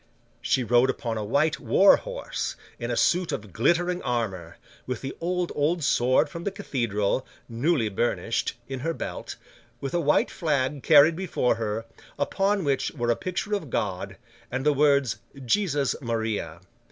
She rode upon a white war horse, in a suit of glittering armour; with the old, old sword from the cathedral, newly burnished, in her belt; with a white flag carried before her, upon which were a picture of God, and the words Jesus Maria.